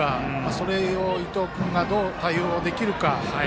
それを伊藤君がどう対応できるか。